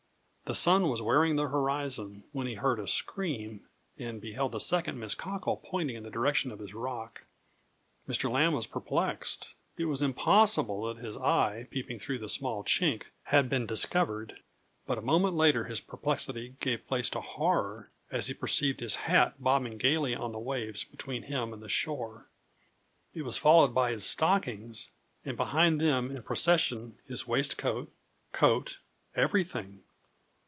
The sun was wearing the horizon, when he heard a scream, and beheld the second Miss Cockle pointing in the direction of his rock. Mr. Lambe was perplexed: it was impossible that his eye, peeping through the small chink, had been discovered; but a moment later his perplexity gave place to horror, as he perceived his hat bobbing gaily on the waves between him and the shore. It was followed by his stockings, and behind them in procession his waistcoat, coat everything!